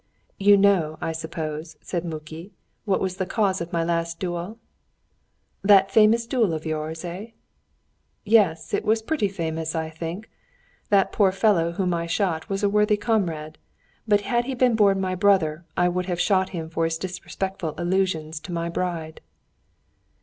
"You know, I suppose," said Muki, "what was the cause of my last duel?" "That famous duel of yours, eh?" "Yes, it was pretty famous, I think. That poor young fellow whom I shot was a worthy comrade, but had he been my born brother I would have shot him for his disrespectful allusions to my bride."